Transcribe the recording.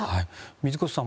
水越さん